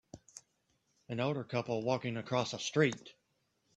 An older couple walking across a street